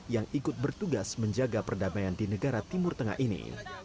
yang ikut bertugas menjaga perdamaian di negara timur tengah ini